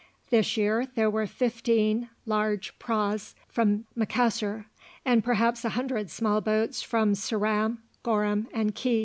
This year there were fifteen large praus from Macassar, and perhaps a hundred small boats from Ceram, Goram, and Ke.